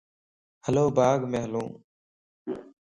ھلو باغ ءَ مَ ھلان